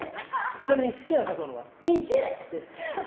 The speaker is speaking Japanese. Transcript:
ちなみに好きな食べ物はミンティア！です。